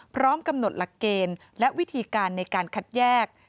พร้อมกำหนดหลักเกณฑ์และวิธีการในการคัดแยก